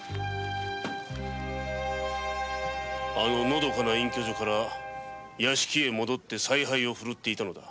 のどかな隠居所から屋敷へ戻ってさい配をふるっていたのだ。